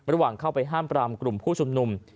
ระหว่างเข้าไปห้ามปรามกลุ่มผู้ชุมนุม